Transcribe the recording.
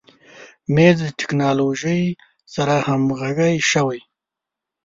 مېز د تکنالوژۍ سره همغږی شوی.